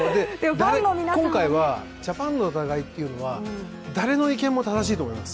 今回はジャパンの戦いというのは誰の意見も正しいと思います。